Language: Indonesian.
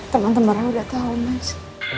teman teman aku udah tau mas